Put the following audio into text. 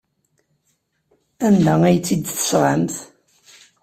Anda ay tt-id-tesɣamt?